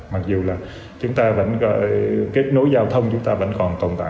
mặc dù là kết nối giao thông chúng ta vẫn còn tồn tại